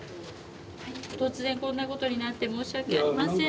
突然こんなことになって申し訳ありません。